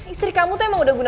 istri kamu tuh emang udah guna